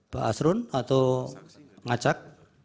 pak asrun atau ngajak